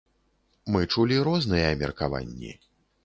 Мы чулі розныя меркаванні.